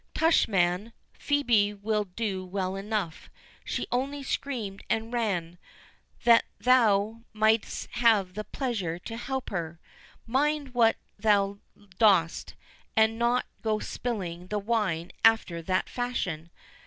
Tush, man, Phœbe will do well enough—she only screamed and ran, that thou might'st have the pleasure to help her. Mind what thou dost, and do not go spilling the wine after that fashion.